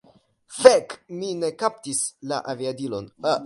Fek! Mi ne kaptis la aviadilon!